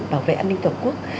bảo vệ an ninh tổ quốc